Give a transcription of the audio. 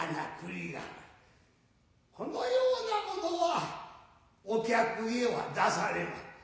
このようなものはお客へは出されまい。